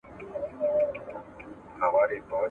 وختونه به تیریږي دا ژوندون به سبا نه وي ,